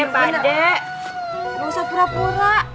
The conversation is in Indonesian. gak usah pura pura